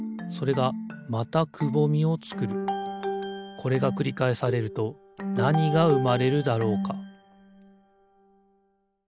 これがくりかえされるとなにがうまれるだろうか？